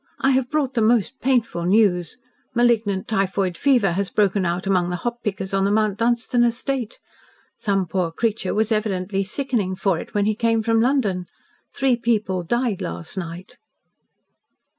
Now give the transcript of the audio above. I have brought the most painful news. Malignant typhoid fever has broken out among the hop pickers on the Mount Dunstan estate. Some poor creature was evidently sickening for it when he came from London. Three people died last night."